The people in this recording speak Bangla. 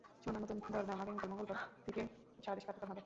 সোনার নতুন দর আগামীকাল মঙ্গলবার থেকে সারা দেশে কার্যকর হবে।